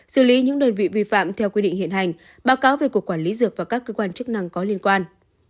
xử lý những đơn vị vi phạm theo quy định hiện hành báo cáo về cục quản lý dược và các cơ quan chức năng có liên quan